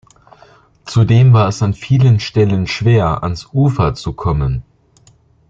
Zudem war es an vielen Stellen schwer, ans Ufer zu kommen.